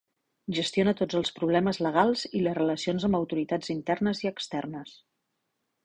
Gestiona tots els problemes legals i les relacions amb autoritats internes i externes.